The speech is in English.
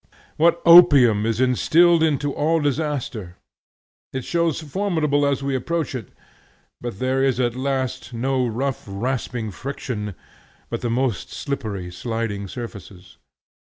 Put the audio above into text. What opium is instilled into all disaster! It shows formidable as we approach it, but there is at last no rough rasping friction, but the most slippery sliding surfaces.